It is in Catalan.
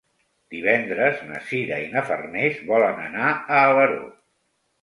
Divendres na Sira i na Farners volen anar a Alaró.